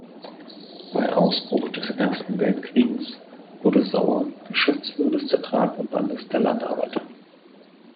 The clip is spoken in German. Bei Ausbruch des Ersten Weltkriegs wurde Sauer Geschäftsführer des Zentralverbandes der Landarbeiter.